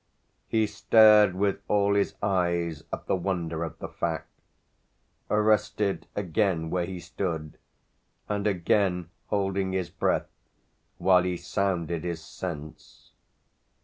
He stared with all his eyes at the wonder of the fact, arrested again where he stood and again holding his breath while he sounded his sense.